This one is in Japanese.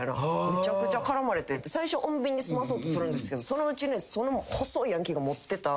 めちゃくちゃ絡まれて最初穏便に済まそうとするんですけどそのうち細いヤンキーが持ってた。